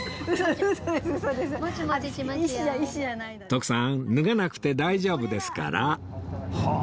徳さん脱がなくて大丈夫ですからはあ！